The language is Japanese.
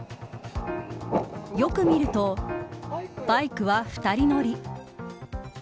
よく見るとバイクは２人乗り。